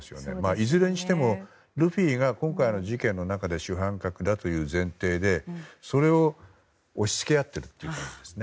いずれにしてもルフィが今回の事件の中で主犯格だという前提でそれを押し付けあっているように見えますね。